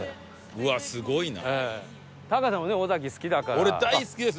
うわっすごいな！